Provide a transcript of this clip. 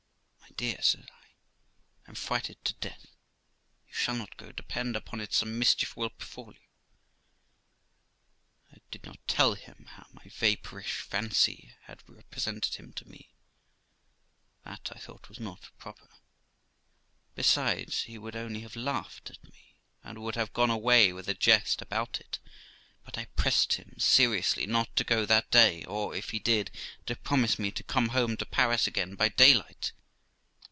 'My dear', said I, 'I am frighted to death; you shall not go. Depend upon it some mischief will befall you.' I did not tell 224 THE LIFE OF ROXANA him how my vapourish fancy had represented him to me ; that, I thought, was not proper. Besides, he would only have laughed at me, and would have gone away with a jest about it; but I pressed him seriously not to go that day, or, if he did, to promise me to come home to Paris again by daylight.